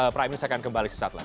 prime news akan kembali sesaat lagi